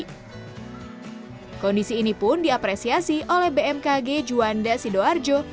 kondisi ini pun diapresiasi oleh bmkg juanda sidoarjo